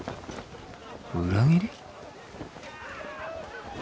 裏切り？